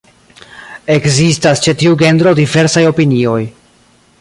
Ekzistas ĉe tiu genro diversaj opinioj.